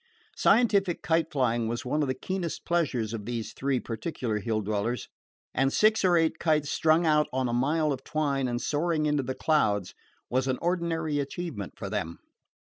Scientific kite flying was one of the keenest pleasures of these three particular Hill dwellers, and six or eight kites strung out on a mile of twine and soaring into the clouds was an ordinary achievement for them.